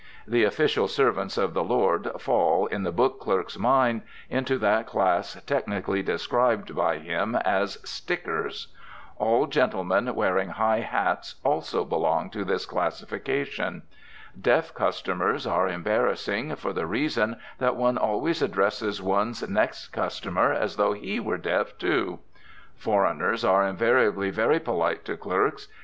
The official servants of the Lord fall, in the book clerk's mind, into that class technically described by him as "stickers." All gentlemen wearing high hats also belong to this classification. Deaf customers are embarrassing, for the reason that one always addresses one's next customer as though he were deaf, too. Foreigners are invariably very polite to clerks.